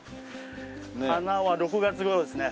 花は６月頃ですね。